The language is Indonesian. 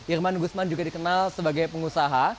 irman gusman juga dikenal sebagai pengusaha